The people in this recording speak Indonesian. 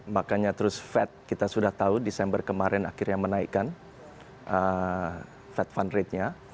makanya terus fed kita sudah tahu desember kemarin akhirnya menaikkan fed fund ratenya